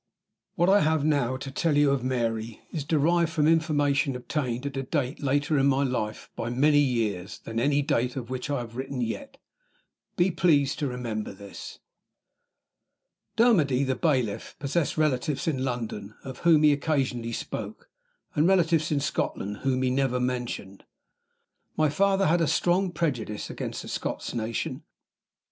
WHAT I have now to tell you of Mary is derived from information obtained at a date in my life later by many years than any date of which I have written yet. Be pleased to remember this. Dermody, the bailiff, possessed relatives in London, of whom he occasionally spoke, and relatives in Scotland, whom he never mentioned. My father had a strong prejudice against the Scotch nation.